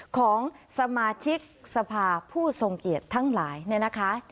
๒๑๖๔ของสมาชิกสภาพผู้ทรงเกียจทั้งหลายนะคะ